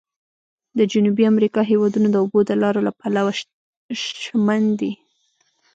د جنوبي امریکا هېوادونه د اوبو د لارو له پلوه شمن دي.